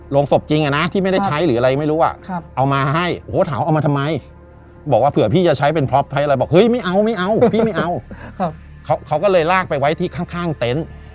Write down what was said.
โรงศพจริงอ่ะนะที่ไม่ได้ใช้หรืออะไรไม่รู้อ่ะเอามาให้โอ้โหถามว่าเอามาทำไมบอกว่าเผื่อพี่จะใช้เป็นพล็อปใช้อะไรบอกเฮ้ยไม่เอาไม่เอาพี่ไม่เอาเขาก็เลยลากไปไว้ที่ข้างเต็นต์